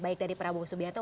baik dari prabowo subianto